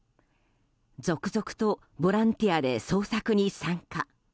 続々とボランティアで捜索に参加。